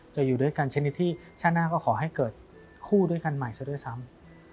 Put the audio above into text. อยู่ด้วยกันชนิดที่ชาติหน้าก็ขอให้เกิดคู่ด้วยกันใหม่ซะด้วยซ้ำ